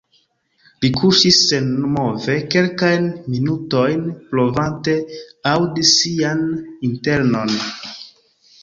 Li kuŝis senmove kelkajn minutojn, provante aŭdi sian internon.